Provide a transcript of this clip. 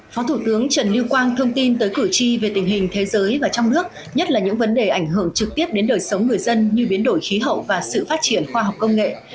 phó thủ tướng trần lưu quang thông tin tới cử tri về tình hình thế giới và trong nước nhất là những vấn đề ảnh hưởng trực tiếp đến đời sống người dân như biến đổi khí hậu và sự phát triển khoa học công nghệ